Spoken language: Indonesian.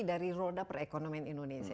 dari roda perekonomian indonesia